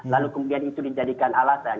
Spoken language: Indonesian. lalu kemudian itu dijadikan alasan